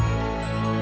lo mungkin pengen docu